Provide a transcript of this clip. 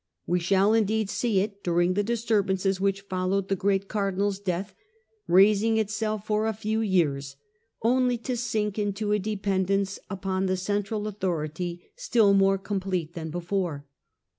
We shall indeed sej it during the disturbances which followed the 1643* Richelieu and Privilege ., 1 5 great Cardinal's death raising itself for a few years, only to sink into a dependence upon the central authority still more complete than before.